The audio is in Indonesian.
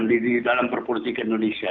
tidak akan mempan di dalam politik indonesia